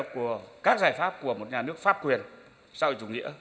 của các giải pháp của một nhà nước pháp quyền xã hội chủ nghĩa